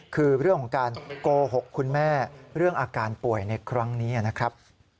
คือเรื่องของการโกหกคุณแม่เรื่องอาการป่วยในครั้งนี้นะครับ